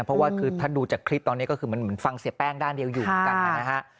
เพราะว่าคือถ้าดูจากคลิปตอนนี้ก็คือมันเหมือนฟังเสียแป้งด้านเดียวอยู่เหมือนกันนะฮะ